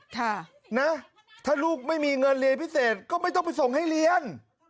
ค่ะนะถ้าลูกไม่มีเงินเรียนพิเศษก็ไม่ต้องไปส่งให้เรียน